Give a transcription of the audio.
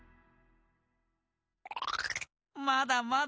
まだまだ。